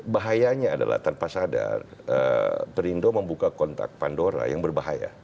bahayanya adalah tanpa sadar perindo membuka kontak pandora yang berbahaya